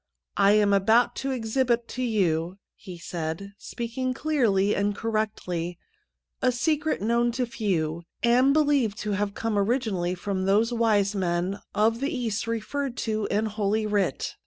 ' I am about to exhibit to you,' he said, speaking clearly and correctlj;", ' a secret known to few, and believed to have come originally from those wise men of the East referred to in Holy Writ.'